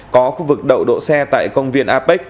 có khu vực đậu đỗ xe tại công viên apec